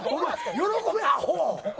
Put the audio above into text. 喜べアホ。